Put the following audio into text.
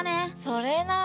それな。